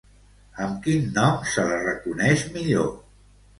Amb quin nom se la reconeix millor?